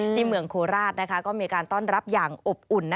เมืองโคราชก็มีการต้อนรับอย่างอบอุ่น